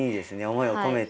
思いを込めて。